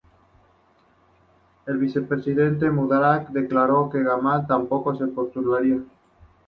El vicepresidente de Mubarak declaró que Gamal tampoco se postularía.